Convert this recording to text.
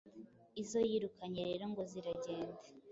Izo yirukanye rero ngo ziragenda